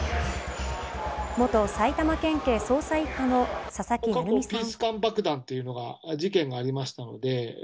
元埼玉県警捜査一課の佐々木成三さんは。